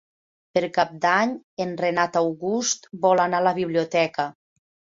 Per Cap d'Any en Renat August vol anar a la biblioteca.